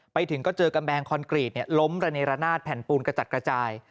ไปถึงก็เจอกำแพงคอนกรีตล้มระเนรนาศแผ่นปูนกระจัดกระจาย